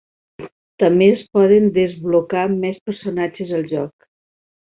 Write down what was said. També es poden desblocar més personatges al joc.